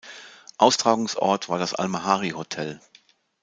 Austragungsort war das Almahary-Hotel.